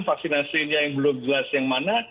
vaksinasinya yang belum jelas yang mana